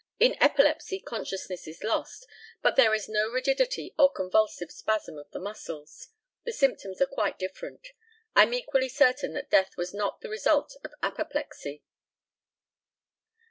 In epilepsy consciousness is lost, but there is no rigidity or convulsive spasm of the muscles. The symptoms are quite different. I am equally certain that death was not the result of apoplexy.